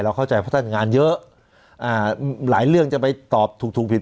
เข้าใจเพราะท่านงานเยอะอ่าหลายเรื่องจะไปตอบถูกถูกผิด